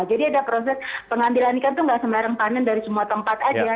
jadi ada proses pengambilan ikan itu enggak sembarang panen dari semua tempat saja